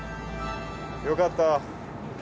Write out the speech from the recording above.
よかった。